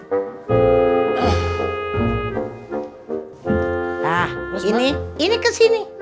nah ini ini ke sini